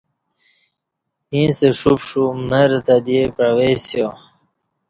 ییں ستہ ݜوپݜو مر تہ دی پعوئسیا